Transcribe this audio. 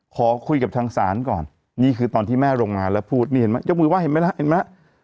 ขอคุยกับทางศาลก่อนนี่คือตอนที่แม่ลงมาแล้วพูดยกมือว่าเห็นไหมละ